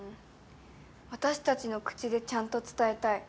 私たちの口でちゃんと伝えたい。